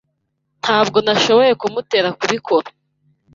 Ntabwo nashoboye kumutera kubikora.